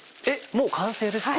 もう完成ですか？